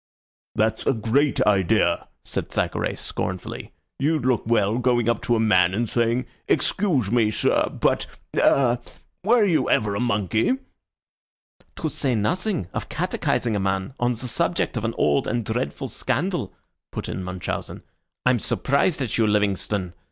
"That's a great idea," said Thackeray, scornfully. "You'd look well going up to a man and saying, 'Excuse me, sir, but ah were you ever a monkey?'" "To say nothing of catechising a man on the subject of an old and dreadful scandal," put in Munchausen. "I'm surprised at you, Livingstone.